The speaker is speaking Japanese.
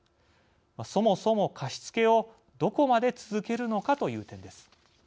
そもそも貸付をどこまで続けるのかという点です。